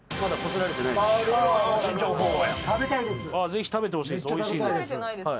ぜひ食べてほしいです。